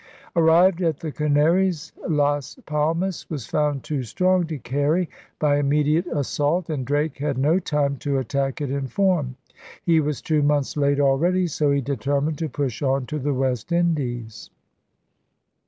Arrived at the Canaries, Las Palmas was found too strong to carry by immediate as sault; and Drake had no time to attack it in form. He was two months late already; so he determined to push on to the West Indies.